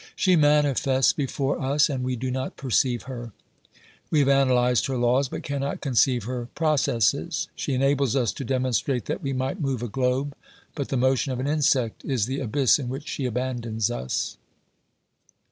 She manifests before us, and we do not perceive her ; we have analysed her laws, but cannot conceive her processes ; she enables us to demonstrate that we might move a globe, but the motion of an insect is the abyss in which she abandons us.